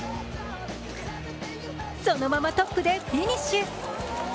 そのままトップでフィニッシュ。